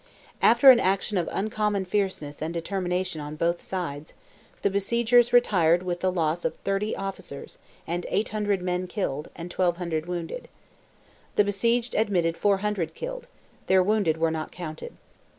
After an action of uncommon fierceness and determination on both sides, the besiegers retired with the loss of 30 officers, and 800 men killed, and 1,200 wounded. The besieged admitted 400 killed—their wounded were not counted.